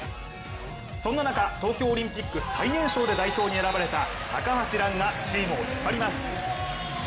そんな中、東京オリンピック最年少で代表に選ばれた高橋藍がチームを引っ張ります。